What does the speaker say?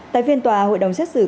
tại phiên tòa hội đồng xét xử tuyên bố